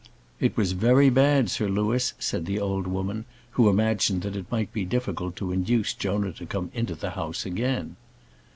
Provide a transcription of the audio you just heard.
"It was very bad, Sir Louis," said the old woman, who imagined that it might be difficult to induce Jonah to come into the house again.